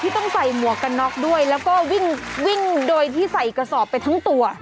ที่ต้องใส่หมวกกันน็อก์ด้วยและวิ่งโดยที่ใส่กระสอบไปทั้งตัว